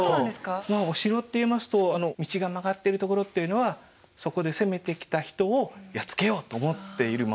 まあお城っていいますと道が曲がってる所っていうのはそこで攻めてきた人をやっつけようと思っている守りのポイントでありますので。